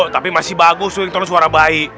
tapi masih bagus tuh ringtone suara bayi